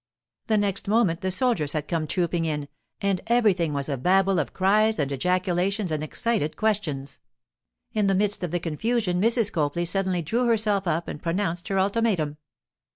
The next moment the soldiers had come trooping in, and everything was a babel of cries and ejaculations and excited questions. In the midst of the confusion Mrs. Copley suddenly drew herself up and pronounced her ultimatum.